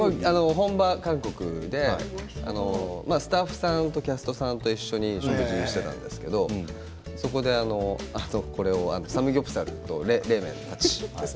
本場韓国でスタッフさんとキャストさんと一緒に食事をしていたんですけどそこでこれをサムギョプサルと冷麺たちです。